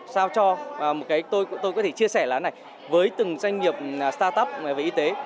sao cho tôi có thể chia sẻ là này với từng doanh nghiệp start up về y tế